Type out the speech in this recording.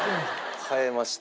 変えました。